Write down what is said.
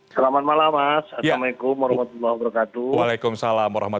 selamat malam mas assalamualaikum wr wb